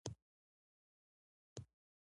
دویمه لاره د پدیده پوهنې میتود کارول دي.